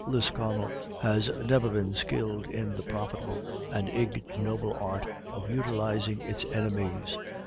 Lisconnel has never been skilled in the profitable and ignoble art of utilizing its enemies.